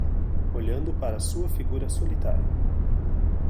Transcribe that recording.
Olhando para sua figura solitária